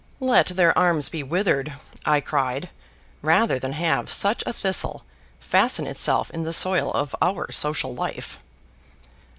"Let their arms be withered," I cried, rather than have such a thistle fasten itself in the soil of our social life.